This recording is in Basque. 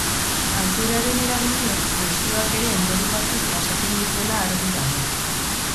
Altueraren eraginez, presioak ere ondorio batzuk jasaten dituela argi dago.